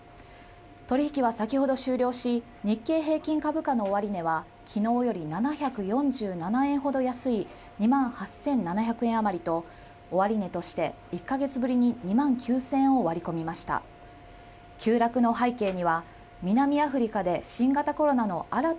取り引きは先ほど終了し日経平均株価の終値はきのうより７４７円ほど安い２万８７００円余りと終値として１か月ぶりに２万９０００円を割り込みました。